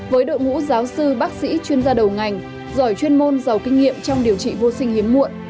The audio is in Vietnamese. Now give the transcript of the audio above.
với đội ngũ giáo sư bác sĩ chuyên gia đầu ngành giỏi chuyên môn giàu kinh nghiệm trong điều trị vô sinh hiếm muộn